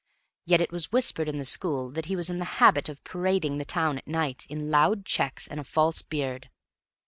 Yet it was whispered in the school that he was in the habit of parading the town at night in loud checks and a false beard.